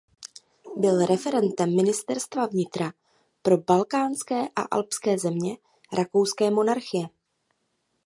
Byl referentem ministerstva vnitra pro balkánské a alpské země rakouské monarchie.